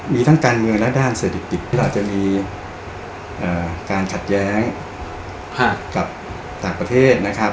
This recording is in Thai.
มีทั้งการเมืองและด้านสถิติเราจะมีเอ่อการขัดแย้งค่ะกับต่างประเทศนะครับ